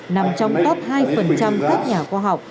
nằm trong top hai các nhà khoa học